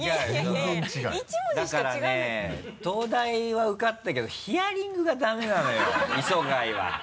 だからね東大は受かったけどヒアリングがダメなのよ磯貝は。